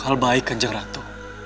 hal baik kanjeng ratu